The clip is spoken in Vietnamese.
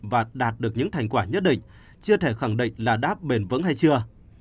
và đạt được những thành quả nhất định chưa thể khẳng định là đáp bền vững hay chưa